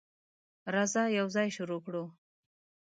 راځه، یوځای شروع کړو.